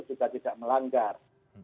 juga tidak melanggar